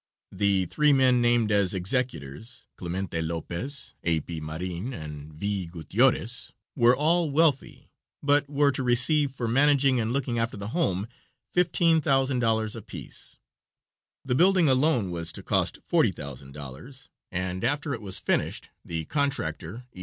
The three men named as executors Clemente Lopez, A. P. Marin, and V. Gutiores were all wealthy, but were to receive for managing and looking after the home, $15,000 apiece; the building alone was to cost $40,000, and after it was finished the contractor, E.